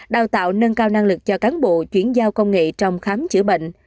đào tạo nâng cao năng lực cho cán bộ chuyển giao công nghệ trong khám chữa bệnh